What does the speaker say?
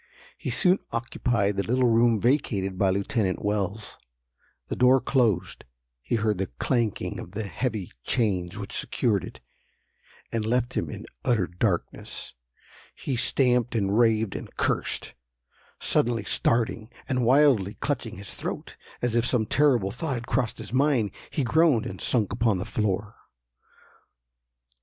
He soon occupied the little room vacated by Lieutenant Wells. The door closed; he heard the clanking of the heavy chains which secured it, and left him in utter darkness. He stamped, and raved and cursed. Suddenly starting, and wildly clutching his throat, as if some terrible thought had crossed his mind, he groaned and sunk upon the floor.